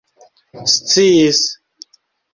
sciis